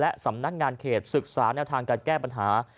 และสำนักงานเขตศึกษาแนวทางการแก้ปัญหา